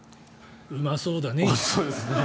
うまそうだね。